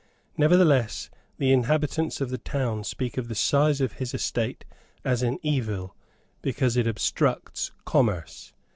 Nevertheless the inhabitants of the town speak of the size of his estate as an evil, because it obstructs commerce.